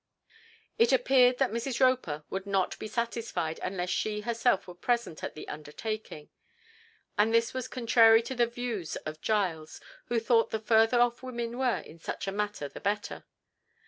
It appeared that Mrs. Roper would not be satisfied unless she herself were present at the undertaking, and this was contrary to the views of Giles, who thought the further off women were in such a matter the better.